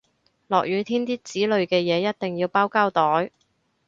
落雨天啲紙類嘅嘢一定要包膠袋